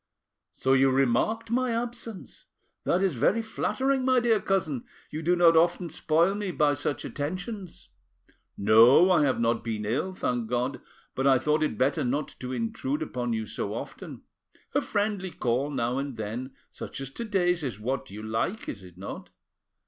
"So you remarked my absence! That is very flattering, my dear cousin; you do not often spoil me by such attentions. No, I have not been ill, thank God, but I thought it better not to intrude upon you so often. A friendly call now and then such as to day's is what you like, is it not?